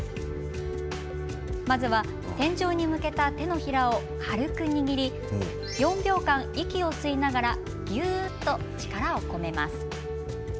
まずは天井に向けた手のひらを軽く握り４秒間息を吸いながらぎゅーっと力を込めます。